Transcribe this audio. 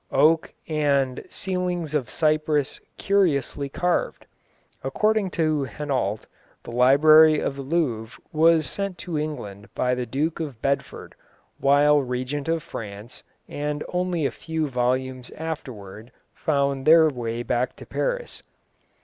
] oak, and ceilings of cypress "curiously carved." According to Henault, the library of the Louvre was sent to England by the Duke of Bedford while Regent of France, and only a few volumes afterwards found their way back to Paris.